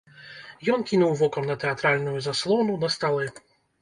Ён кінуў вокам на тэатральную заслону, на сталы.